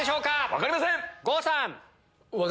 分かりません。